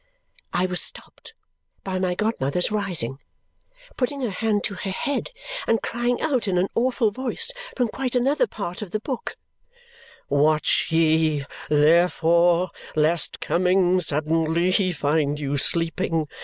'" I was stopped by my godmother's rising, putting her hand to her head, and crying out in an awful voice from quite another part of the book, "'Watch ye, therefore, lest coming suddenly he find you sleeping.